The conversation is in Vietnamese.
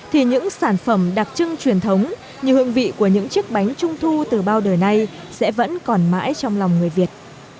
thì những sản phẩm đặc trưng truyền thống như hương vị của những chiếc bánh trung thu từ bao đời nay sẽ vẫn còn mãi trong lòng người việt